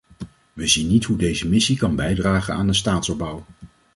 We zien niet hoe deze missie kan bijdragen aan de staatsopbouw.